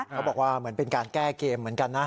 เขาบอกว่าเหมือนเป็นการแก้เกมเหมือนกันนะ